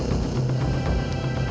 aku juga keliatan jalan sama si neng manis